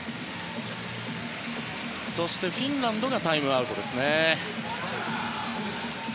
そしてフィンランドがタイムアウトですね。